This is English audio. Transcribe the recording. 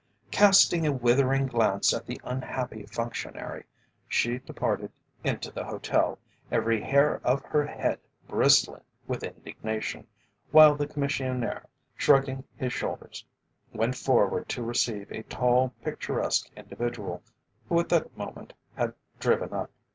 Casting a withering glance at the unhappy functionary, she departed into the hotel, every hair of her head bristling with indignation, while the Commissionaire, shrugging his shoulders, went forward to receive a tall, picturesque individual, who at that moment had driven up.